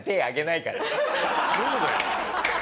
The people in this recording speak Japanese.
そうだよ。